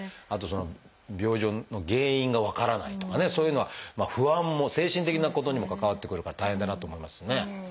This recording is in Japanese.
あと病状の原因が分からないとかねそういうのは不安も精神的なことにも関わってくるから大変だなと思いますね。